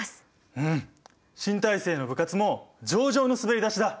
うん新体制の部活も上々の滑り出しだ。